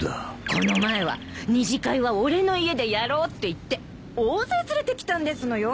この前は２次会は俺の家でやろうっていって大勢連れてきたんですのよ。